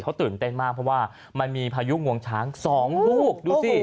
เขาตื่นเต้นมากเพราะว่ามันมีพายุงวงช้าง๒ลูกดูสิ